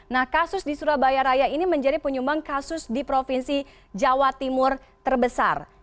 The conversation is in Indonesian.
nah kasus di surabaya raya ini menjadi penyumbang kasus di provinsi jawa timur terbesar